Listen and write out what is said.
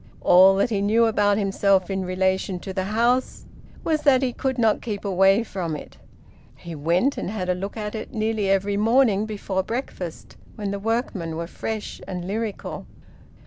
All that he knew about himself in relation to the house was that he could not keep away from it. He went and had a look at it, nearly every morning before breakfast, when the workmen were fresh and lyrical.